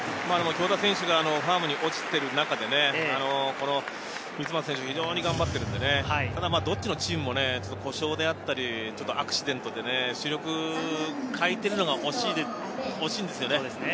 京田選手がファームに落ちている中で三ツ俣選手は非常に頑張っているんでね、どっちのチームも故障であったり、アクシデントで主力を欠いているのが惜しいんですよね。